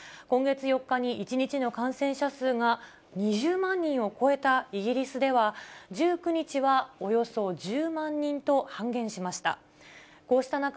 今月４日に１日の感染者数が２０万人を超えたイギリスでは、１９日はおよそ１０万人と半減しました。